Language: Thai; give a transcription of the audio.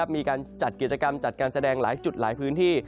มีการจัดกิจกรรมจัดการแสดงหลายจุดหลายพื้นที่